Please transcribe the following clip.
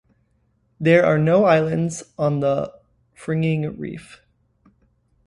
There are no islands on the fringing reef.